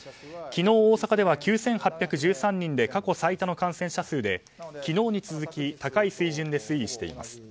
昨日大阪では９８１３人で過去最多の感染者数で昨日に続き高い水準で推移しています。